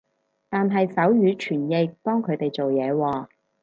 但係手語傳譯幫佢哋做嘢喎